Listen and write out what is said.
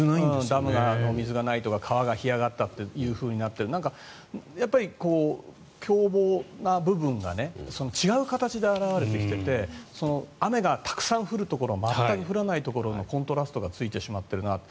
ダムが水が少ないとか川が干上がったとなって凶暴な部分が違う形で表れてきてて雨がたくさん降るところ全く降らないところのコントラストがついているなと。